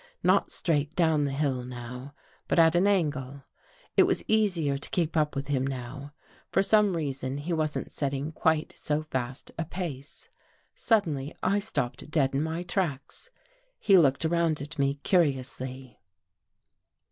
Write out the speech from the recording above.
Not straight down the hill now, but at an angle. It was easier to keep up with him now. For some reason, he wasn't setting quite so fast a pace. Suddenly I stopped dead in my tracks. He looked around at me curiously.